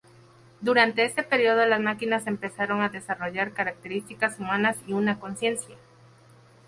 Durante este periodo las máquinas empezaron a desarrollar características humanas y una conciencia.